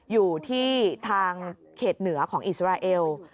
อยู่ที่ทางเขตเหนือของอิสราเอล